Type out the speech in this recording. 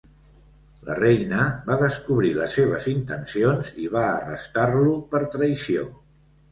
La reina va descobrir les seves intencions i va arrestar-lo per traïció.